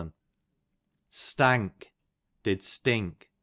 Stank, did stink.